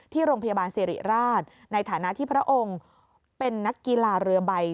ที่โรงพยาบาลสิริราชในฐานะที่พระองค์เป็นนักกีฬาเรือใบ